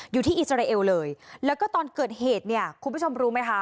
อยู่ที่อิสราเอลเลยแล้วก็ตอนเกิดเหตุคุณผู้ชมรู้ไหมคะ